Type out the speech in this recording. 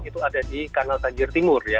itu ada di kanal banjir timur ya